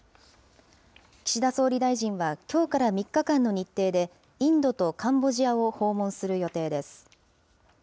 岸田総理大臣はきょうから３日間の日程でインドとカンボジアを訪問する予定です。